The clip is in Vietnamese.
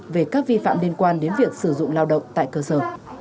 về các vi phạm liên quan đến việc sử dụng lao động tại cơ sở